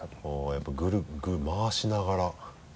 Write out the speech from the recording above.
やっぱぐるぐる回しながら。